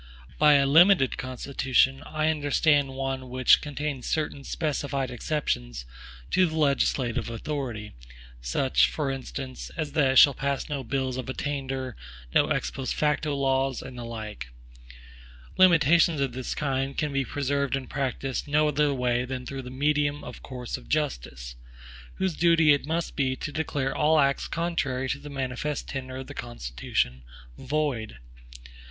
By a limited Constitution, I understand one which contains certain specified exceptions to the legislative authority; such, for instance, as that it shall pass no bills of attainder, no ex post facto laws, and the like. Limitations of this kind can be preserved in practice no other way than through the medium of courts of justice, whose duty it must be to declare all acts contrary to the manifest tenor of the Constitution void.